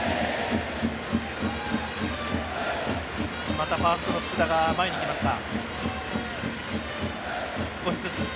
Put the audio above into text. またファーストの福田が前に来ました。